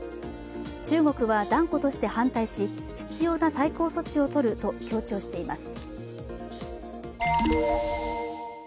中国は断固として反対し必要な対抗措置をとると強調しています。